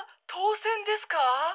当選ですか？」。